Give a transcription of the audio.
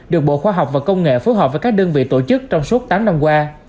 được bộ khoa học và công nghệ phối hợp với các đơn vị tổ chức trong suốt tám năm qua